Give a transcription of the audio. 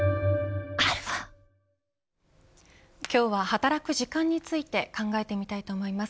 今日は、働く時間について考えてみたいと思います。